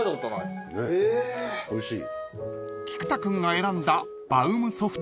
わおいしい。